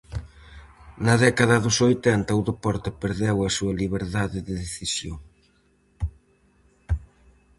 Na década dos oitenta o deporte perdeu a súa liberdade de decisión.